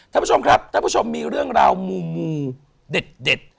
ท่านผู้ชมครับท่านผู้ชมมีเรื่องราวมูเด็ด